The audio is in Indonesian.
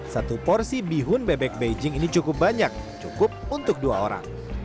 satu porsi bihun bebek beijing ini cukup banyak cukup untuk dua orang